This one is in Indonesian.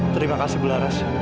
terima kasih ibu laras